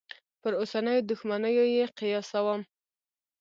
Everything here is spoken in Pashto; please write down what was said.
پر اوسنیو دوښمنیو یې قیاسوم.